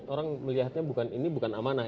orang melihatnya bukan ini bukan amanah